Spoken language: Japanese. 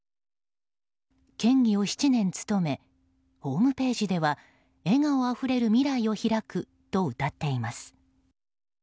県議を７年務めホームページでは笑顔あふれる未来を拓くとうたっています。